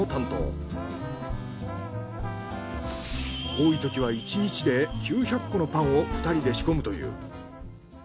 多いときは１日で９００個のパンを２人で仕込むという。